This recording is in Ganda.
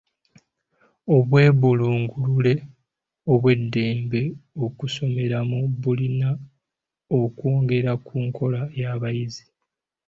Obwebulungulule obw'eddembe okusomeramu bulina okwongera ku nkola y'abayizi.